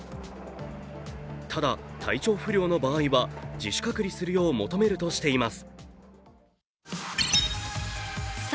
ただ、体調不良の場合は自主隔離するよう求めるとしています。